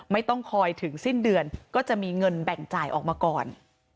ไม่ต้องคอยถึงสิ้นเดือนก็จะมีเงินแบ่งจ่ายออกมาก่อน